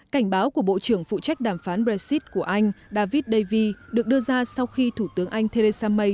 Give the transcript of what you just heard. cảnh báo của bộ trưởng phụ trách đàm phán brexit của anh david davi được đưa ra sau khi thủ tướng anh theresa may